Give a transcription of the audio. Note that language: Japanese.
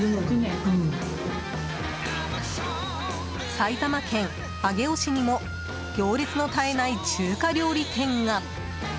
埼玉県上尾市にも行列の絶えない中華料理店が。